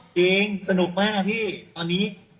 จริงสนุกมากพี่